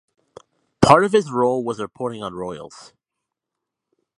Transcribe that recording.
Part of his role was reporting on royals.